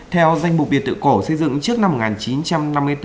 theo danh mục biệt tự cổ xây dựng trước năm một nghìn chín trăm năm mươi bốn